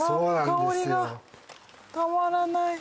香りがたまらない